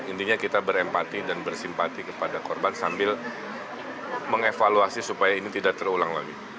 intinya kita berempati dan bersimpati kepada korban sambil mengevaluasi supaya ini tidak terulang lagi